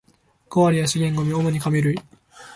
五割は資源ゴミ、主に紙類